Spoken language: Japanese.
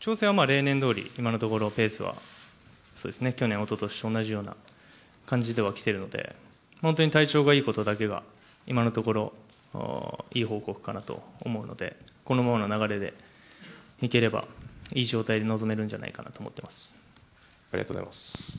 調整は例年どおり、今のところペースは、そうですね、去年、おととしと同じような感じではきてるので、本当に体調がいいことだけが、今のところ、いい方向かなと思うので、このままの流れでいければ、いい状態で臨めるんじゃないかとありがとうございます。